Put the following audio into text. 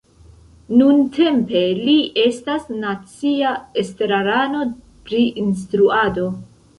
Nuntempe li estas nacia estrarano pri instruado.